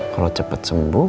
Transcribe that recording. kalau cepet sembuh